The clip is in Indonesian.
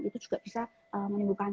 itu juga bisa menimbulkan